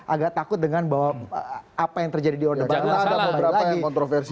agak takut dengan bahwa apa yang terjadi di orde baru